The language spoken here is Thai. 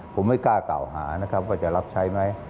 ผมไม่กล้ากล่าวหานะครับว่าจะรับใช้ไหม